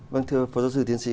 vâng thưa phó giáo sư tiến sĩ